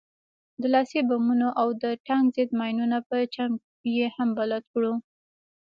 د لاسي بمونو او د ټانک ضد ماينونو په چم يې هم بلد کړو.